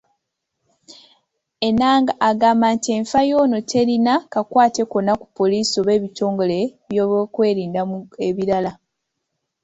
Enanga agamba nti enfa yono terina kakwate konna ku poliisi oba ebitongole ebyebyokwerinda ebirala.